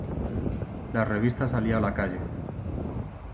La revista salió a la calle.